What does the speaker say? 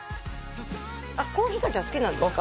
コーヒーがじゃあ好きなんですか？